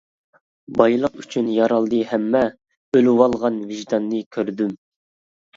بايلىق ئۈچۈن يارالدى ھەممە، ئۆلۈۋالغان ۋىجداننى كۆردۈم.